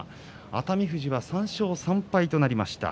熱海富士は３勝３敗となりました。